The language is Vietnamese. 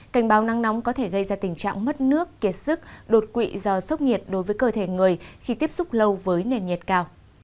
cảnh báo nắng nóng có thể gây ra tình trạng mất nước kiệt sức đột quỵ do sốc nhiệt đối với cơ thể người khi tiếp xúc lâu với nền nhiệt cao